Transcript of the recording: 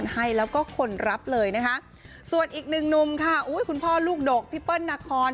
ให้แล้วก็คนรับเลยนะคะส่วนอีกหนึ่งหนุ่มค่ะอุ้ยคุณพ่อลูกดกพี่เปิ้ลนาคอน